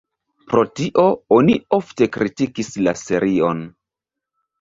Pro tio oni ofte kritikis la serion.